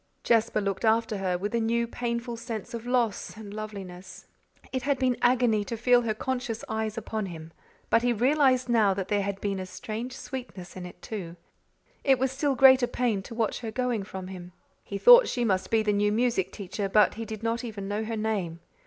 Jasper looked after her with a new, painful sense of loss and loveliness. It had been agony to feel her conscious eyes upon him, but he realized now that there had been a strange sweetness in it, too. It was still greater pain to watch her going from him. He thought she must be the new music teacher but he did not even know her name.